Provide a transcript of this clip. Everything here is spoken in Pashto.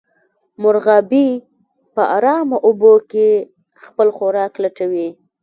مرغابۍ په ارامو اوبو کې خپل خوراک لټوي